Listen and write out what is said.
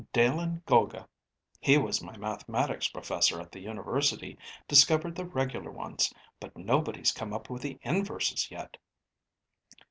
Dalen Golga, he was my mathematics professor at the university, discovered the regular ones, but nobody's come up with the inverses yet."